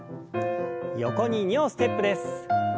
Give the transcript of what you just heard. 横に２歩ステップです。